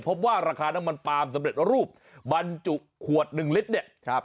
พบว่าราคาน้ำมันปามสำเร็จรูปบรรจุขวด๑ลิตร